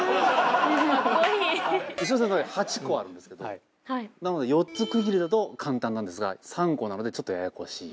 １小節の中に８個あるんですけどなので４つ区切りだと簡単なんですが３個なのでちょっとややこしい。